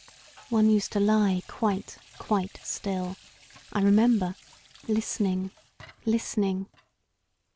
One used to lie quite, quite still, I remember, listening, listening.